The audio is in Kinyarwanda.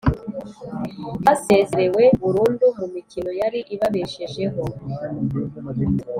basezerewe burundu mu mikino yari ibabeshejeho.